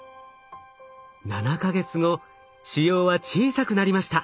７か月後腫瘍は小さくなりました。